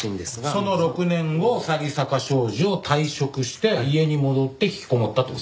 その６年後鷺坂商事を退職して家に戻って引きこもったって事？